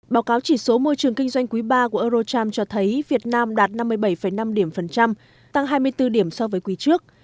báo cáo chỉ số môi trường kinh doanh quý ba của eurocharm cho thấy việt nam đạt năm mươi bảy năm điểm phần trăm tăng hai mươi bốn điểm so với quý trước